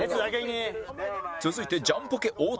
続いてジャンポケ太田